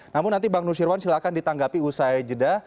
namun nanti bang nusyirwan silahkan ditanggapi usai jeda